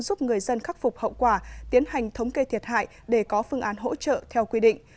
giúp người dân khắc phục hậu quả tiến hành thống kê thiệt hại để có phương án hỗ trợ theo quy định